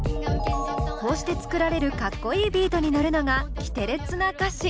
こうして作られるかっこいいビートに乗るのがキテレツな歌詞。